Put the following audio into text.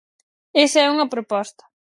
Esa é unha proposta.